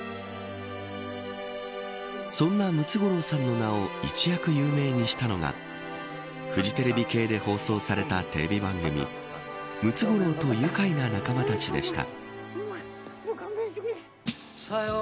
そんなムツゴロウさんの名を一躍有名にしたのがフジテレビ系で放送されたテレビ番組ムツゴロウとゆかいな仲間たちでした。